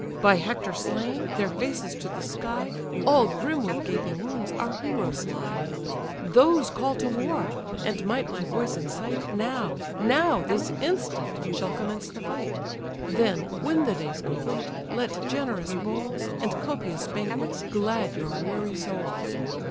By Hector slain, their faces to the sky, All grim with gaping wounds, our heroes lie: Those call to war! and might my voice incite, Now, now, this instant, shall commence the fight: Then, when the day's complete, let generous bowls, And copious banquets, glad your weary souls.